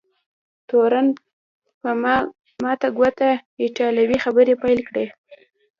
تورن په ماته ګوډه ایټالوي خبرې پیل کړې.